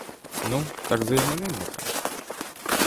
Ну, так за іменинника!